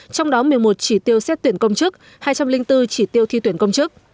trong đó một mươi một chỉ tiêu xét tuyển công chức hai trăm linh bốn chỉ tiêu thi tuyển công chức